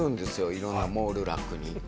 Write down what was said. いろんなモールラックに。